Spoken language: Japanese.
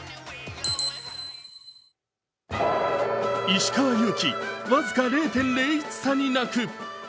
石川祐希、僅か０．０１差に泣く。